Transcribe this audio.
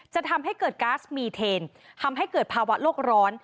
จะทำให้เกิดก๊าซมีเทนทำให้เกิดภาวะโลกร้อน